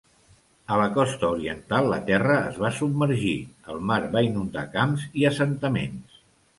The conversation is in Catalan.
A la costa oriental, la terra es va submergir, el mar va inundar camps i assentaments.